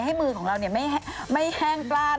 ให้มือของเราเนี่ยไม่แห้งปล้าน